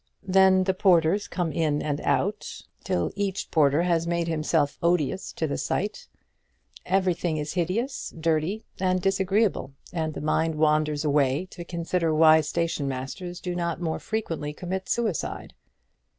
Then the porters come in and out, till each porter has made himself odious to the sight. Everything is hideous, dirty, and disagreeable; and the mind wanders away, to consider why station masters do not more frequently commit suicide.